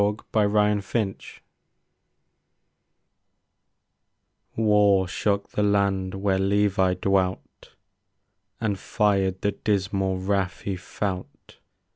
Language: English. i THE FIELD OF GLORY War shook the land where Levi dwelt. And fired the dismal wrath he felt.